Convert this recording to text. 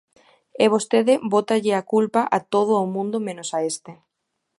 E vostede bótalle a culpa a todo o mundo menos a este.